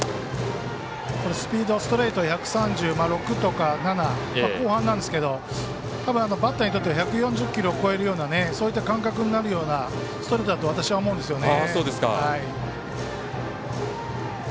スピード、ストレート１３６か１３７の後半なんですけどバッターにとっては１４０キロを超えるようなそういった感覚になるようなストレートだと私は思うんですよね。